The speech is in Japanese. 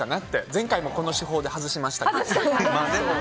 前回もこの手法で外しましたけど。